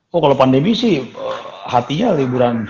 kok kalau pandemi sih hatinya liburan